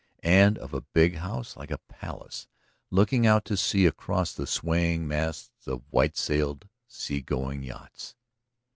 . and of a big house like a palace looking out to sea across the swaying masts of white sailed, sea going yachts!